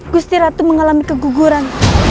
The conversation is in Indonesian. gusti ratu mengalami keguguran